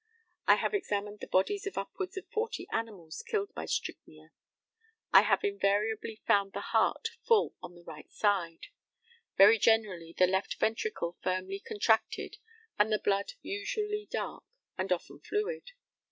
I have examined the bodies of upwards of forty animals killed by strychnia. I have invariably found the heart full on the right side; very generally the left ventricle firmly contracted, and the blood usually dark, and often fluid.